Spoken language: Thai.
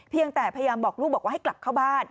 เพียงแต่พยายามบอกลูกให้กลับเข้าบ้าน